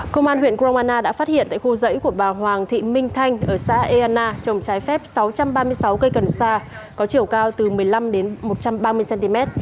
công an huyện kroana đã phát hiện tại khu dãy của bà hoàng thị minh thanh ở xã eana trồng trái phép sáu trăm ba mươi sáu cây cần sa có chiều cao từ một mươi năm một trăm ba mươi cm